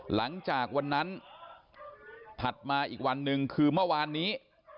หลังจากวันนั้นถัดมาอีกวันหนึ่งคือเมื่อวานนี้